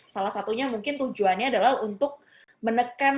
salah satunya mungkin tujuannya adalah untuk menekan